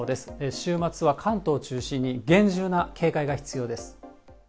週末は関東を中心に厳重な警戒が必要です。